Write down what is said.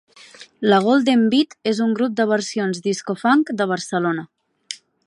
La Golden Beat és un grup de versions disco-funk de Barcelona